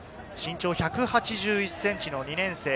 １８１ｃｍの２年生。